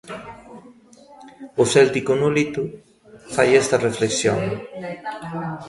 O céltico Nolito fai esta reflexión.